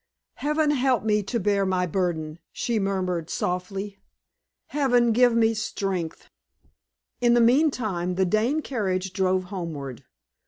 "Heaven help me to bear my burden," she murmured, softly. "Heaven give me strength." In the meantime the Dane carriage drove homeward.